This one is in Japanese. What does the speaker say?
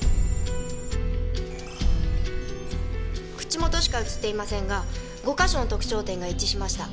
口元しか映っていませんが５か所の特徴点が一致しました。